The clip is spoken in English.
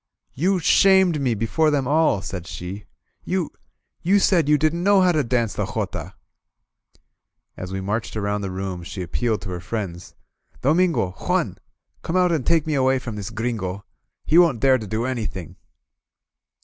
"You shamed me before them all,*' said she. You — ^you said you didn't know how to dance the jotaH As we marched around the room, she appealed to her friends: "Domingo! Juan! Come out and take me away from this Gringo! He won't dare to do any thing!"